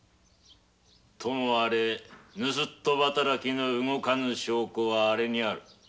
ともあれぬすっと働きの証拠はあれにある。